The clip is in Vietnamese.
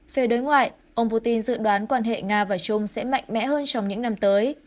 về đối ngoại ông putin dự đoán quan hệ nga và trung sẽ mạnh mẽ hơn trong những năm tới